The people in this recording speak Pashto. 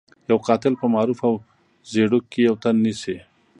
يو قاتل په معروف او زيړوک کې يو تن نيسي.